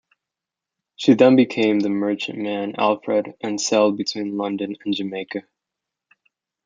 She then became the merchantman "Alfred", and sailed between London and Jamaica.